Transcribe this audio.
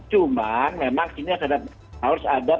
cuma memang ini harus ada penanganan yang cukup